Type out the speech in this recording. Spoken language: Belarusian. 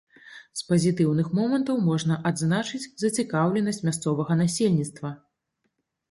З пазітыўных момантаў можна адзначыць зацікаўленасць мясцовага насельніцтва.